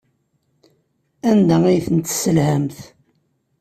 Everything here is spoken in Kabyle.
Anda ay ten-tesselhamt?